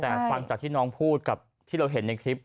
แต่ฟังจากที่น้องพูดกับที่เราเห็นในคลิป